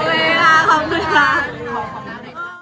โอเคค่ะขอบคุณค่ะ